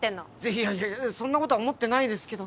いやいやいやそんなことは思ってないですけど。